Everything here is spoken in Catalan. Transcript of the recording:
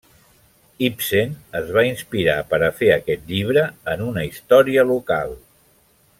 Ibsen es va inspirar per a fer aquest llibre en una història local.